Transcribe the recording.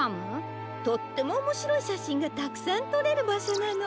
とってもおもしろいしゃしんがたくさんとれるばしょなの。